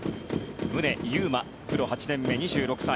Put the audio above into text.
宗佑磨、プロ８年目、２６歳。